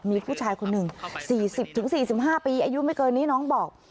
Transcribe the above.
มีผู้ชายคนหนึ่ง๔๐๔๕ปีอายุไม่เกินนี้น้องบอก